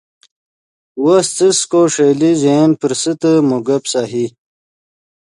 وس څس کو ݰئیلے ژے ین پرسیتے مو گپ سہی